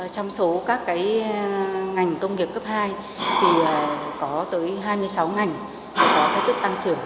trong số các ngành công nghiệp cấp hai có tới hai mươi sáu ngành có kết thúc tăng trưởng